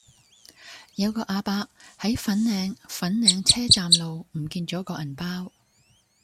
有個亞伯喺粉嶺粉嶺車站路唔見左個銀包